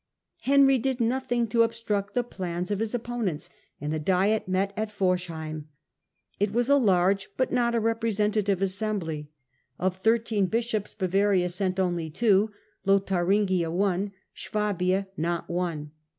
Henry did nothing to obstruct the plans of his opponents, and the diet met at Forcheim. It was a large, but not a representative, assembly. Of thirteen Digitized by VjOOQIC 136 • HiLDRBRANb bishops Bavaria sent only two, Lotharingia one, Swabia not one.